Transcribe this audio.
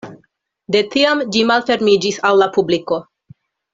De tiam ĝi malfermiĝis al la publiko.